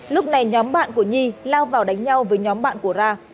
lúc này nhóm bạn của nhi lao vào đánh nhau với nhóm bạn của ra